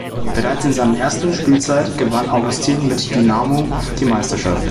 Bereits in seiner ersten Spielzeit gewann Augustin mit Dinamo die Meisterschaft.